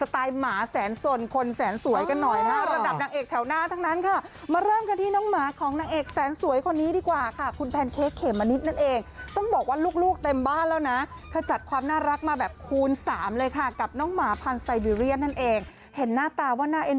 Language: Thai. แต่ตอนนี้จะพาคุณผู้ชมมาดูสไตล์หมาแสนสน